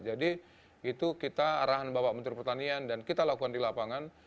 jadi itu kita arahan bapak menteri pertanian dan kita lakukan di lapangan